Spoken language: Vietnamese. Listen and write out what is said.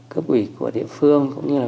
cấp ủy của địa phương cũng như là